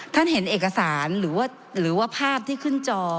ท่านเห็นเอกสารหรือว่าภาพที่ขึ้นจอ